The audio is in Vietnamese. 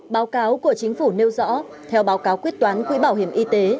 báo cáo của chính phủ nêu rõ theo báo cáo quyết toán quỹ bảo hiểm y tế